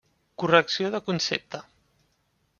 Correcció de concepte: